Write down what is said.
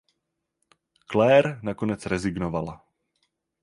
Claire nakonec rezignovala.